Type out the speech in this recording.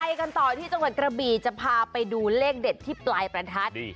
กันต่อที่จังหวัดกระบีจะพาไปดูเลขเด็ดที่ปลายประทัดดี